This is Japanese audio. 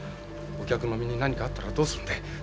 お客の身に何かあったらどうするんでえ。